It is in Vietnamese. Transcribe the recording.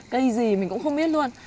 cây gì mình cũng không biết luôn